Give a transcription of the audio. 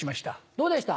どうでした？